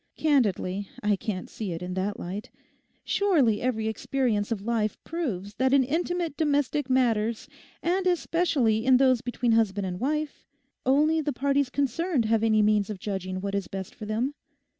Candidly, I can't see it in that light. Surely every experience of life proves that in intimate domestic matters, and especially in those between husband and wife, only the parties concerned have any means of judging what is best for them?